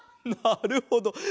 なるほど。